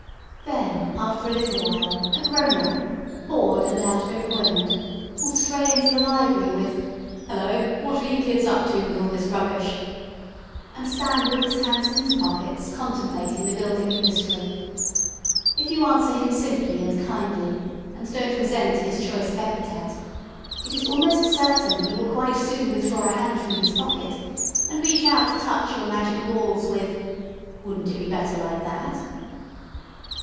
Then after a little while a grown up, bored and out of employment, will stray into the library with "Hullo! what are you kids up to with all this rubbish?" and stand with his hands in his pockets contemplating the building industry. If you answer him simply and kindly, and don't resent his choice of epithet, it is almost certain he will quite soon withdraw a hand from his pocket and reach out to touch your magic walls with "Wouldn't it be better like that?"